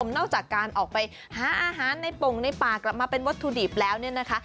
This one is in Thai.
นอกจากการออกไปหาอาหารในปงในป่ากลับมาเป็นวัตถุดิบแล้วเนี่ยนะคะ